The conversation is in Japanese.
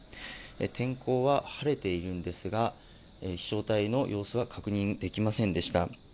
天候は晴れているんですが飛しょう体の様子は確認できませんでした。